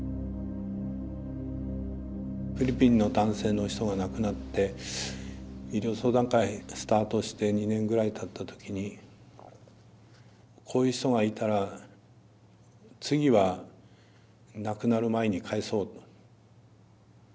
フィリピンの男性の人が亡くなって医療相談会スタートして２年ぐらいたった時にこういう人がいたら次は亡くなる前に帰そうと。